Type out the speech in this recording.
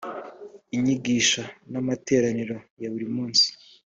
inyigisho amateraniro ya buri munsi